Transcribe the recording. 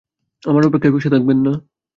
আমার অপেক্ষায় বসে থাকবেন না।